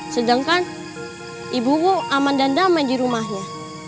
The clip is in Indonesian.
sedangkan ibuku aman dan damai di rumahnya